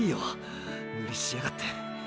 ムリしやがって。